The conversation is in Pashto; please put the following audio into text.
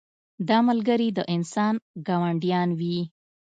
دا ملګري د انسان ګاونډیان وي.